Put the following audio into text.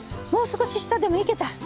もう少し下でもいけた。